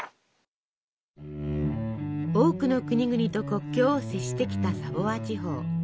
多くの国々と国境を接してきたサヴォワ地方。